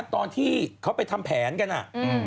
ตอนที่เขาไปทำแผนกัน